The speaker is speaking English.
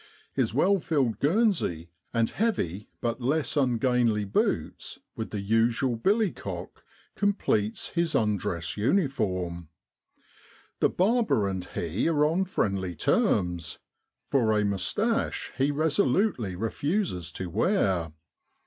His well filled guernsey, and heavy, but less ungainly boots, with the usual billycock, completes his undress uniform. The barber and he are on friendly terms, for a moustache he resolutely refuses to wear.